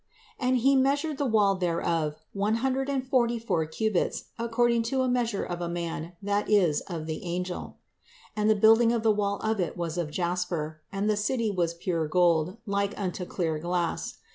And he measured the wall thereof, an hundred and forty and four cubits, according to the measure of a man, that is, of the angel. And the building of the wall of it was of jasper: and the city was pure gold, like unto clear glass.